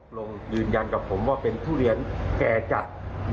ลงยืนยันกับผมว่าเป็นทุเรียนแก่จัด